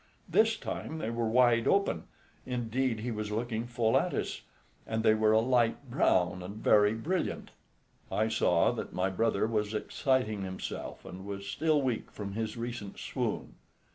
This time they were wide open; indeed he was looking full at us, and they were a light brown and very brilliant." I saw that my brother was exciting himself, and was still weak from his recent swoon.